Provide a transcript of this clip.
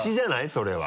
それは。